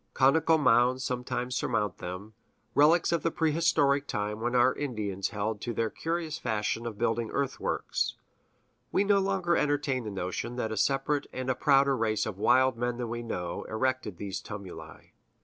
Conical mounds sometimes surmount them, relics of the prehistoric time when our Indians held to the curious fashion of building earthworks. We no longer entertain the notion that a separate and a prouder race of wild men than we know erected these tumuli.